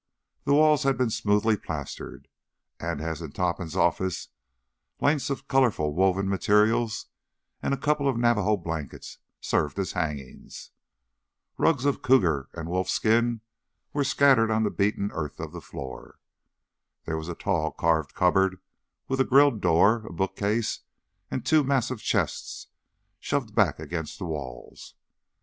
The walls had been smoothly plastered, and as in Topham's office, lengths of colorful woven materials and a couple of Navajo blankets served as hangings. Rugs of cougar and wolf skin were scattered on the beaten earth of the floor. There was a tall carved cupboard with a grilled door, a bookcase, and two massive chests shoved back against the walls.